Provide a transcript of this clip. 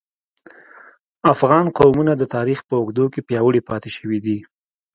افغان قومونه د تاریخ په اوږدو کې پیاوړي پاتې شوي دي